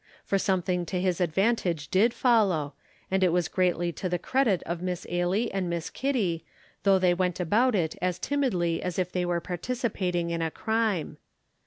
For something to his advantage did follow, and it was greatly to the credit of Miss Ailie and Miss Kitty, though they went about it as timidly as if they were participating in a crime.